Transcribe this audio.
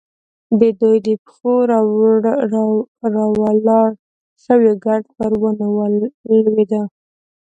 د دوی د پښو راولاړ شوی ګرد پر ونو لوېده.